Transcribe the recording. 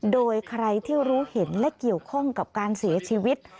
โดยใครที่รู้เห็นและเกี่ยวข้องกับการเสียชีวิต